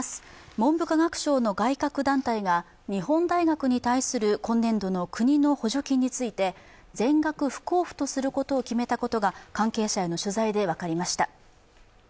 文部科学省の外郭団体が日本大学に対する今年度の国の補助金について全額不交付とすることを決めたことが関係者への取材で分かりました。